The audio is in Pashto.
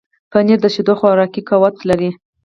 پنېر د شیدو خوراکي قوت لري.